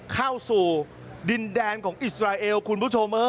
เข้าสู่ดินแดนของอิสราเอลคุณผู้ชม